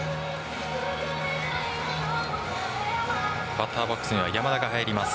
バッターボックスには山田が入ります。